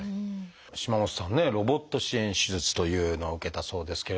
島本さんねロボット支援手術というのを受けたそうですけれども。